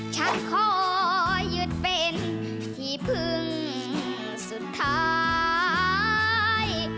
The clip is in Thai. ฉันขอยึดเป็นที่พึ่งสุดท้าย